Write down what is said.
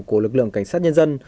của lực lượng cảnh sát nhân dân